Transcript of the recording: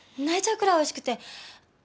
泣いちゃうくらいおいしくて。